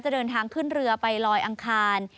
เดินทางขึ้นเรือไปลอยอังคาร